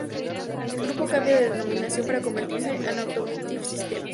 El grupo cambia de denominación para convertirse en Automotive System.